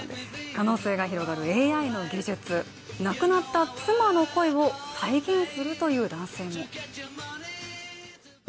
可能性が広がるＡＩの技術、亡くなった妻の声を再現するという男性も。